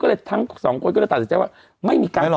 ก็เลยทั้งสองคนก็ตัดสินใจว่าไม่มีการพูดแบบนี้กันอย่างแปลว